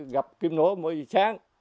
gặp kim nổ mỗi sáng